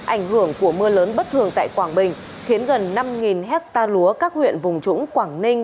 ảnh hưởng của mưa lớn bất thường tại quảng bình khiến gần năm hectare lúa các huyện vùng trũng quảng ninh